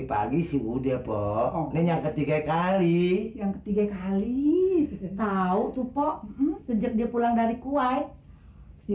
pagi sih bu depok oke yang ketiga kali yang ketiga kali tahu tuh pok sejak dia pulang dari kuwait si